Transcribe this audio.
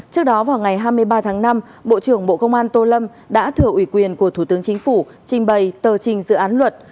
trước đó vào ngày hai mươi ba tháng năm bộ trưởng bộ công an tô lâm đã thừa ủy quyền của thủ tướng chính phủ trình bày tờ trình dự án luật